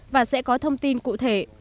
và sẽ có thông tin cụ thể